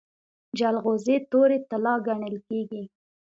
جلغوزي تورې طلا ګڼل کیږي.